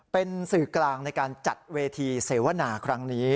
เป็นสื่อกลางในการจัดเวทีเสวนาครั้งนี้